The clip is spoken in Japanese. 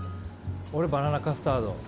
俺バナナカスタード。